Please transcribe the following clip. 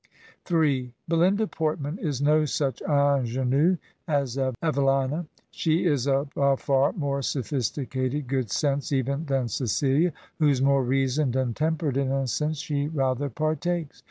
ra Belinda Portman is no such ing/^ue as Evelina; she is of a far more sophisticated good sense even than Cecilia, whose more reasoned and tempered innocence she rather partakes.